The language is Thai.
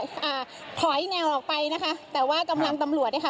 ทยอยอ่าผล้ายแนวออกไปนะคะแต่ว่ากำลังตำรวจนะคะ